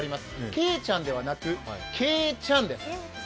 けいちゃん、ではなく、けいちゃんです。